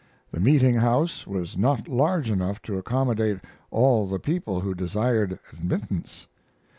The meeting house was not large enough to accommodate all the people who desired admittance.